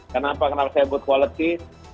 kenapa saya sebut kualitas